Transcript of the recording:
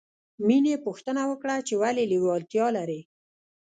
مینې پوښتنه وکړه چې ولې لېوالتیا لرې